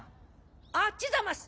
あっちざます。